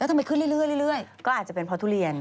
ทำไมขึ้นเรื่อยก็อาจจะเป็นเพราะทุเรียน